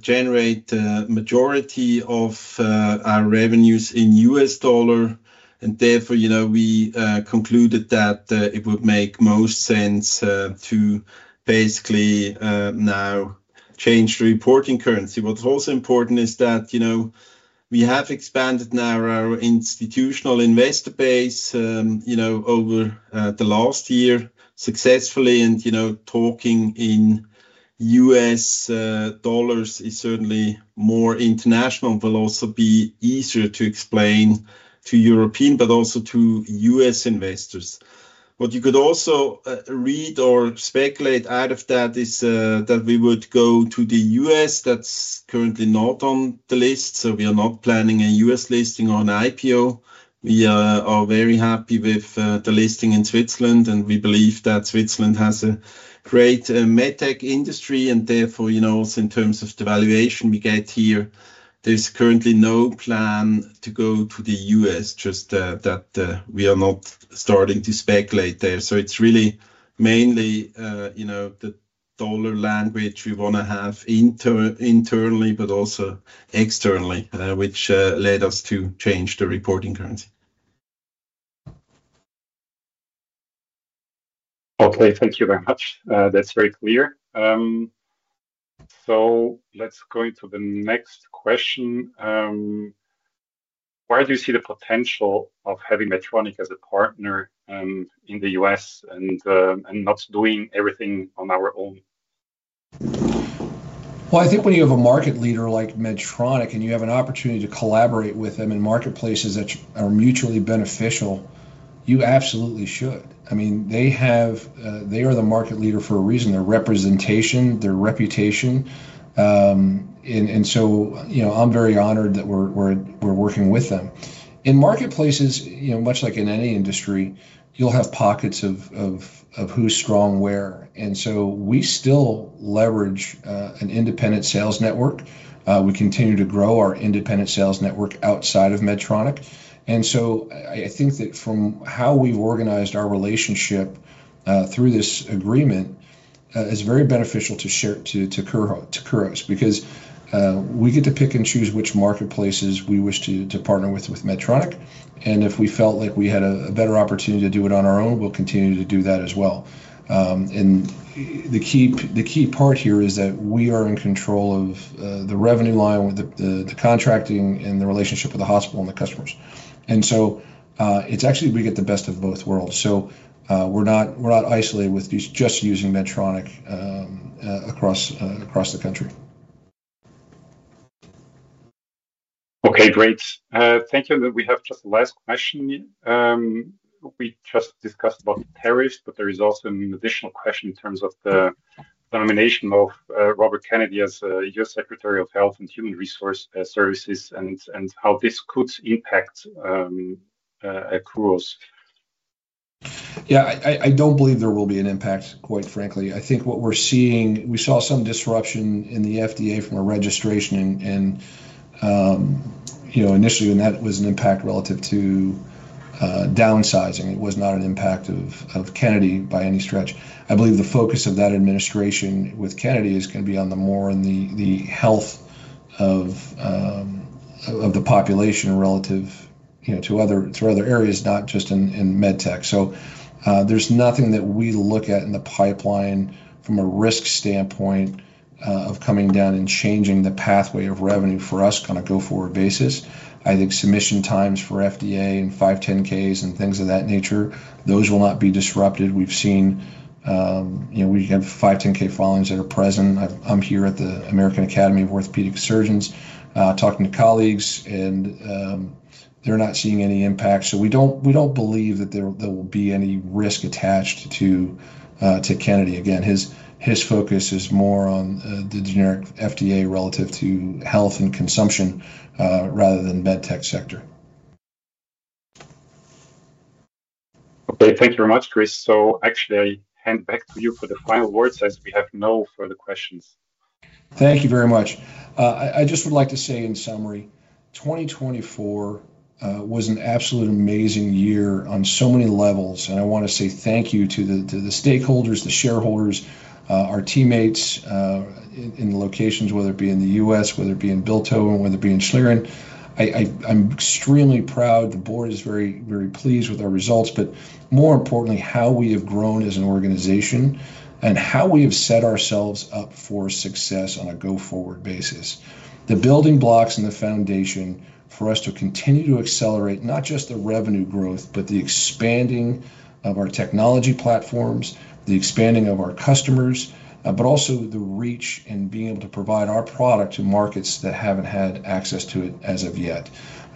generate the majority of our revenues in U.S. dollar. Therefore, we concluded that it would make most sense to basically now change the reporting currency. What's also important is that we have expanded now our institutional investor base over the last year successfully. Talking in U.S. dollars is certainly more international, will also be easier to explain to European, but also to U.S. investors. What you could also read or speculate out of that is that we would go to the U.S. That's currently not on the list. We are not planning a U.S. listing or an IPO. We are very happy with the listing in Switzerland. We believe that Switzerland has a great MedTech industry. Therefore, in terms of the valuation we get here, there's currently no plan to go to the U.S., just that we are not starting to speculate there. It is really mainly the dollar language we want to have internally, but also externally, which led us to change the reporting currency. Okay. Thank you very much. That's very clear. Let's go into the next question. Where do you see the potential of having Medtronic as a partner in the U.S. and not doing everything on our own? I think when you have a market leader like Medtronic and you have an opportunity to collaborate with them in marketplaces that are mutually beneficial, you absolutely should. I mean, they are the market leader for a reason. Their representation, their reputation. I am very honored that we're working with them. In marketplaces, much like in any industry, you'll have pockets of who's strong where. We still leverage an independent sales network. We continue to grow our independent sales network outside of Medtronic. I think that from how we've organized our relationship through this agreement is very beneficial to Kuros because we get to pick and choose which marketplaces we wish to partner with Medtronic. If we felt like we had a better opportunity to do it on our own, we'll continue to do that as well. The key part here is that we are in control of the revenue line, the contracting, and the relationship with the hospital and the customers. It is actually we get the best of both worlds. We are not isolated with just using Medtronic across the country. Okay. Great. Thank you. We have just the last question. We just discussed about tariffs, but there is also an additional question in terms of the nomination of Robert Kennedy as U.S. Secretary of Health and Human Services and how this could impact Kuros. Yeah. I don't believe there will be an impact, quite frankly. I think what we're seeing, we saw some disruption in the FDA from a registration. Initially, that was an impact relative to downsizing. It was not an impact of Kennedy by any stretch. I believe the focus of that administration with Kennedy is going to be more in the health of the population relative to other areas, not just in medtech. There is nothing that we look at in the pipeline from a risk standpoint of coming down and changing the pathway of revenue for us on a go-forward basis. I think submission times for FDA and 510(k)s and things of that nature, those will not be disrupted. We've seen we have 510(k) filings that are present. I'm here at the American Academy of Orthopaedic Surgeons talking to colleagues, and they're not seeing any impact. We do not believe that there will be any risk attached to Kennedy. Again, his focus is more on the generic FDA relative to health and consumption rather than medtech sector. Okay. Thank you very much, Chris. Actually, I hand back to you for the final words as we have no further questions. Thank you very much. I just would like to say in summary, 2024 was an absolute amazing year on so many levels. I want to say thank you to the stakeholders, the shareholders, our teammates in the locations, whether it be in the U.S, whether it be in Bilthoven, whether it be in Schlieren. I'm extremely proud. The board is very, very pleased with our results. More importantly, how we have grown as an organization and how we have set ourselves up for success on a go-forward basis. The building blocks and the foundation for us to continue to accelerate not just the revenue growth, the expanding of our technology platforms, the expanding of our customers, but also the reach and being able to provide our product to markets that haven't had access to it as of yet.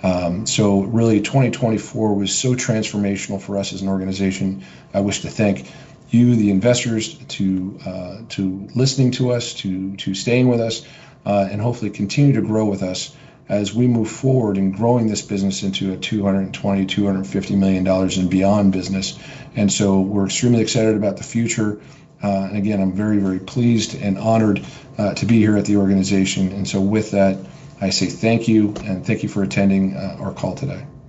Really, 2024 was so transformational for us as an organization. I wish to thank you, the investors, for listening to us, for staying with us, and hopefully continuing to grow with us as we move forward in growing this business into a $220 million–$250 million and beyond business. We are extremely excited about the future. Again, I am very, very pleased and honored to be here at the organization. With that, I say thank you and thank you for attending our call today.